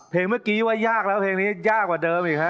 เมื่อกี้ว่ายากแล้วเพลงนี้ยากกว่าเดิมอีกฮะ